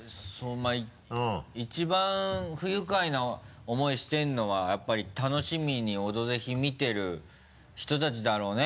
一番不愉快な思いしてるのはやっぱり楽しみに「オドぜひ」見てる人たちだろうね。